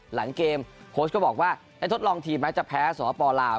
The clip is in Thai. หลังเกมโค้ชก็บอกว่าได้ทดลองทีมนะจะแพ้สวปลาว